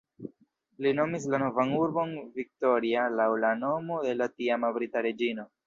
Li nomis la novan urbon Victoria laŭ la nomo de la tiama brita reĝino.